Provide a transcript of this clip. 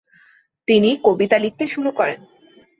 তিনি কবিতা লিখতে শুরু করেন।